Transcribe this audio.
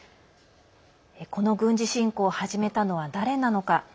この軍事侵攻を始めたのは誰なのか。